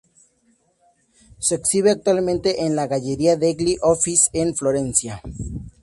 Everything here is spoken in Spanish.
Se exhibe actualmente en la Galleria degli Uffizi en Florencia.